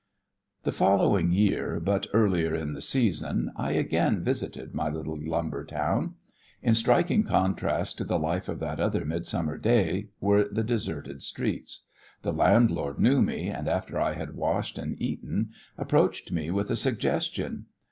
The following year, but earlier in the season, I again visited my little lumber town. In striking contrast to the life of that other midsummer day were the deserted streets. The landlord knew me, and after I had washed and eaten approached me with a suggestion.